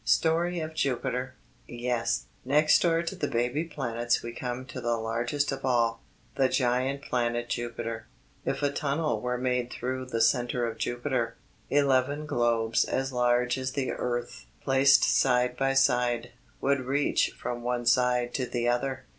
STORY OF JUPITER. "Yes, next door to the baby planets we come to the largest of all, the giant planet Jupiter. If a tunnel were made through the center of Jupiter, eleven globes as large as the earth, placed side by side, would reach from one side to the other.